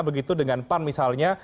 begitu dengan pan misalnya